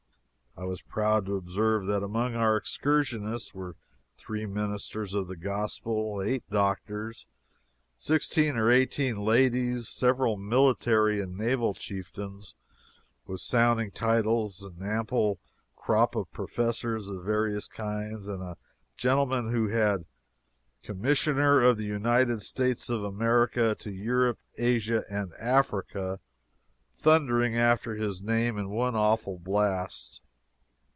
I was proud to observe that among our excursionists were three ministers of the gospel, eight doctors, sixteen or eighteen ladies, several military and naval chieftains with sounding titles, an ample crop of "Professors" of various kinds, and a gentleman who had "COMMISSIONER OF THE UNITED STATES OF AMERICA TO EUROPE, ASIA, AND AFRICA" thundering after his name in one awful blast!